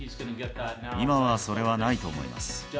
今はそれはないと思います。